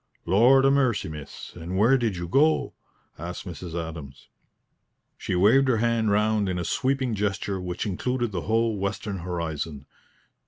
"Lord 'a mercy, miss, and where did you go?" asked Mrs. Adams. She waved her hand round in a sweeping gesture which included the whole western horizon.